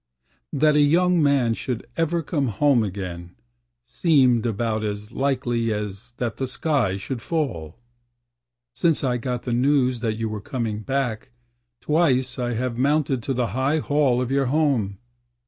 That a young man should ever come home again Seemed about as likely as that the sky should fall. Since I got the news that you were coming back, Twice I have mounted to the high hall of your home.